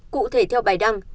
cụ thể theo bài đăng